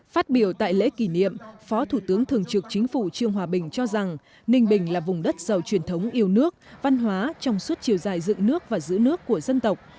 phát biểu tại lễ kỷ niệm phó thủ tướng thường trực chính phủ trương hòa bình cho rằng ninh bình là vùng đất giàu truyền thống yêu nước văn hóa trong suốt chiều dài dựng nước và giữ nước của dân tộc